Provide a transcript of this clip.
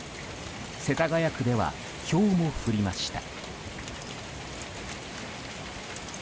世田谷区ではひょうも降りました。